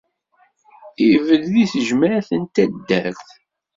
Ibedd di tejmaɛt n taddart.